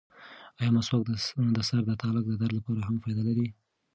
ایا مسواک د سر د تالک د درد لپاره هم فایده لري؟